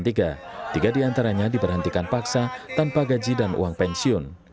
tiga diantaranya diberhentikan paksa tanpa gaji dan uang pensiun